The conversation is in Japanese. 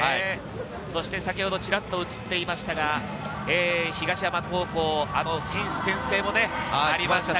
先ほどチラっと映っていましたが、東山高校の選手宣誓もありました。